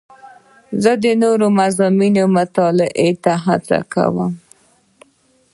زه د نوو مضمونونو مطالعې ته هڅه کوم.